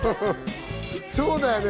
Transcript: そうだよね。